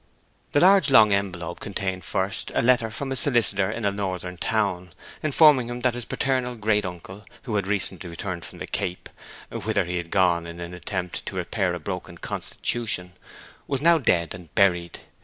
The large long envelope contained, first, a letter from a solicitor in a northern town, informing him that his paternal great uncle, who had recently returned from the Cape (whither he had gone in an attempt to repair a broken constitution), was now dead and buried.